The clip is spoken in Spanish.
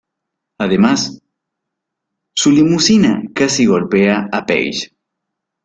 Además, su limusina casi golpea a Paige.